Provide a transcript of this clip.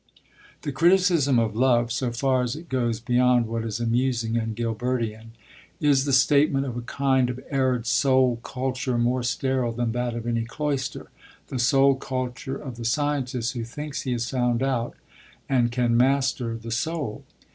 The criticism of love, so far as it goes beyond what is amusing and Gilbertian, is the statement of a kind of arid soul culture more sterile than that of any cloister, the soul culture of the scientist who thinks he has found out, and can master, the soul.